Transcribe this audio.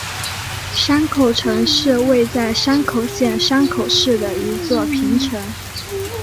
山口城是位在山口县山口市的一座平城。